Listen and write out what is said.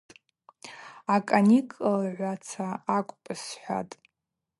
Акӏаникӏулгӏваца акӏвпӏ, – схӏватӏ.